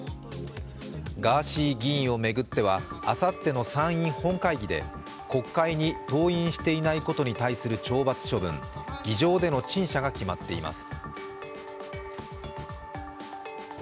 ガーシー議員を巡っては、あさっての参院本会議で国会に登院していないことに対する懲罰処分、議場での陳謝が決まっています。